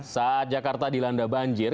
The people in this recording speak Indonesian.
saat jakarta dilanda banjir